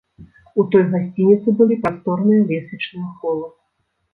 У той гасцініцы былі прасторныя лесвічныя холы.